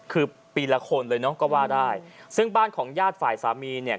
คือปีละคนเลยเนาะก็ว่าได้ซึ่งบ้านของญาติฝ่ายสามีเนี่ย